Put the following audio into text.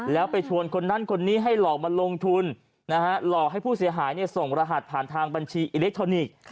แล้วไปชวนคนนั้นคนนี้ให้หลอกมาลงทุนหลอกให้ผู้เสียหายส่งรหัสผ่านทางบัญชีอิเล็กทรอนิกส์